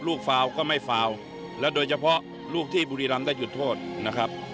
ฟาวก็ไม่ฟาวและโดยเฉพาะลูกที่บุรีรำได้หยุดโทษนะครับ